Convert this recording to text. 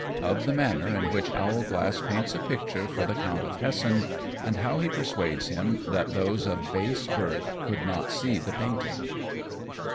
_Of the Manner in which Owlglass paints a Picture for the Count of Hessen, and how he persuades him that those of base birth could not see the Painting.